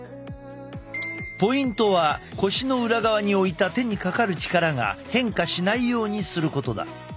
ポイントは腰の裏側に置いた手にかかる力が変化しないようにすることだ。